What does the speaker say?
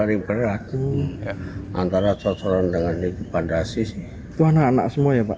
itu anak anak semua ya pak